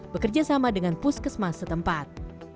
bekerjasama dengan puskesmas setempat